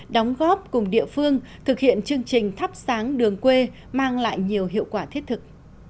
đóng góp cùng địa phương thực hiện chương trình thắp sáng đường quê mang lại nhiều hiệu quả thiết thực